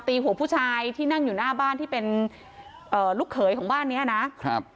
หัวผู้ชายที่นั่งอยู่หน้าบ้านที่เป็นเอ่อลูกเขยของบ้านเนี้ยนะครับ